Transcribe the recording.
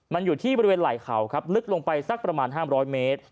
มันอยู่ที่บริเวณไหล่เขาครับลึกลงไปสักประมาณ๕๐๐เมตร